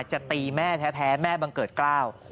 จะตีแม่แท้แม่บังเกิดกล้าว